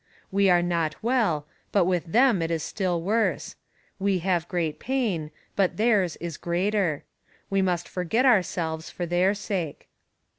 We are not well, but with them it is still worse. We have great pain, but their's is greater. We must forget ourselves for their sake.